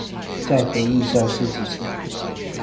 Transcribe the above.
在回憶消逝之前